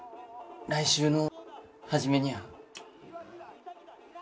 来週の初めにゃあ。